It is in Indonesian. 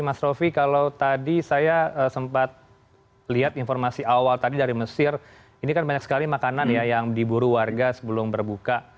mas rofi kalau tadi saya sempat lihat informasi awal tadi dari mesir ini kan banyak sekali makanan ya yang diburu warga sebelum berbuka